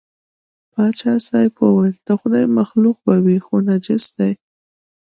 پاچا صاحب وویل د خدای مخلوق به وي خو نجس دی.